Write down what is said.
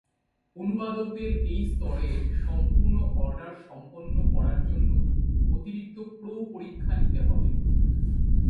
অনুবাদকদের সেই স্তরের সম্পূর্ণ অর্ডার সম্পন্ন করার জন্য অতিরিক্ত প্রো পরীক্ষা নিতে হবে।